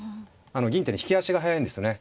銀ってね引き足が速いんですよね。